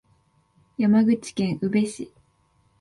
山口県宇部市